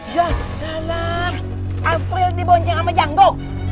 ya salah apri dibonceng sama jenggo